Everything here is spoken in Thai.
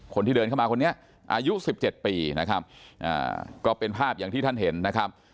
คนที่เดินเข้ามาคนนี้อายุ๑๗ปีนะครับก็เป็นภาพอย่างที่ท่านเห็นนะครับ